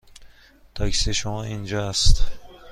تاکسی شما اینجا است.